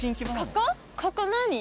ここ何？